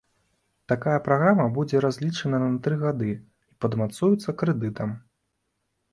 Такая праграма будзе разлічаная на тры гады і падмацуецца крэдытам.